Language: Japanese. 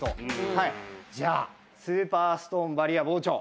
じゃあスーパーストーンバリア包丁。